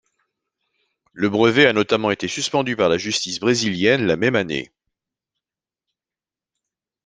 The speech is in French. Le brevet a notamment été suspendu par la justice brésilienne la même année.